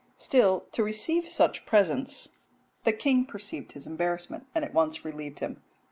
Still to receive such presents " The king perceived his embarrassment, and at once relieved him.